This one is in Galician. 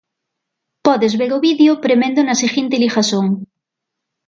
Podes ver o vídeo premendo na seguinte ligazón.